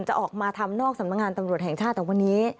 จะออกมาทำนอกสำนักงานตำรวจแห่งชาติแต่วันนี้